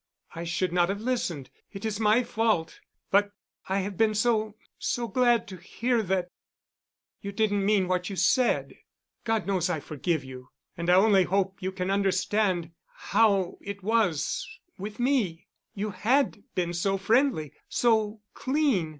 I should not have listened. It is my fault. But I have been so—so glad to hear that—you didn't mean what you said. God knows I forgive you, and I only hope you can understand—how it was—with me. You had been so friendly—so clean.